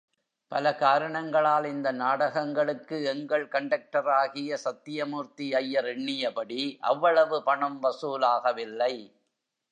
பல காரணங்களால் இந்த நாடகங்களுக்கு எங்கள் கண்டக்டராகிய சத்தியமூர்த்தி ஐயர் எண்ணியபடி அவ்வளவு பணம் வசூலாகவில்லை.